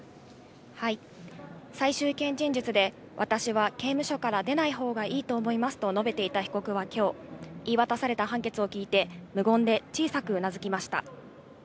最終意見陳述で、私は刑務所から出ないほうがいいと思いますと述べていた被告はきょう、言い渡された判決を聞いて、無言で小さくうなずきました。